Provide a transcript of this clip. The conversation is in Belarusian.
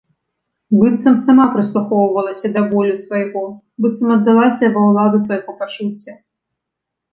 Быццам сама прыслухоўвалася да болю свайго, быццам аддалася ва ўладу свайго пачуцця.